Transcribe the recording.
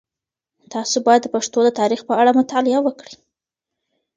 تاسو باید د پښتنو د تاریخ په اړه مطالعه وکړئ.